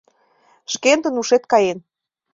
Шкендын ушет каен.